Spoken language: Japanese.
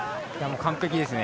完璧ですね。